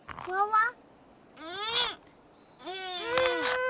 うん。